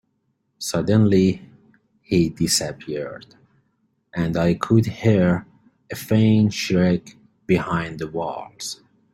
Suddenly, he disappeared, and I could hear a faint shriek behind the walls.